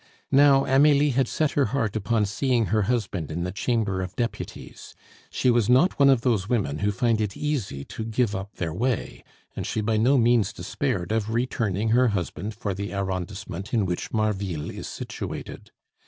Now Amelie had set her heart upon seeing her husband in the Chamber of Deputies; she was not one of those women who find it easy to give up their way; and she by no means despaired of returning her husband for the arrondissement in which Marville is situated.